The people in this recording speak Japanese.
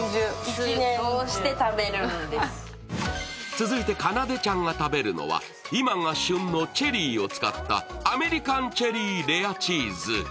続いて、かなでちゃんが食べるのは今が旬のチェリーを使ったアメリカンチェリーレアチーズ。